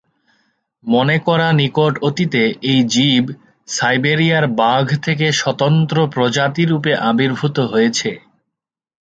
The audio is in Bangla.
মনে করা নিকট অতীতে এই জীব সাইবেরিয়ার বাঘ থেকে স্বতন্ত্র প্রজাতি রুপে আবির্ভূত হয়েছে।